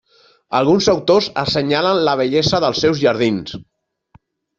Alguns autors assenyalen la bellesa dels seus jardins.